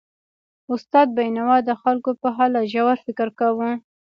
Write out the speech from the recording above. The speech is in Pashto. استاد بینوا د خلکو پر حالت ژور فکر کاوه.